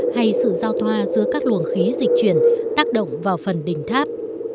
hay sự giao thoa giữa các luồng khí dịch chuyển tác động vào phần đỉnh tháp